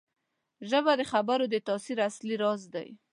ژبه د خبرو د تاثیر اصلي راز دی